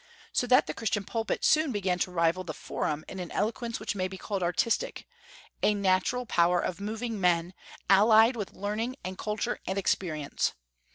So that the Christian pulpit soon began to rival the Forum in an eloquence which may be called artistic, a natural power of moving men, allied with learning and culture and experience.